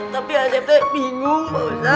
tapi asep bingung